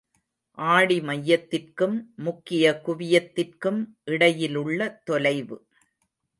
ஆடி மையத்திற்கும் முக்கிய குவியத்திற்கும் இடையிலுள்ள தொலைவு.